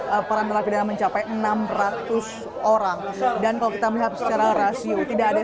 para narapidana mencapai enam ratus orang dan kalau kita melihat secara rasio tidak ada